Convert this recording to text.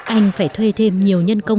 anh phải thuê thêm nhiều nhân công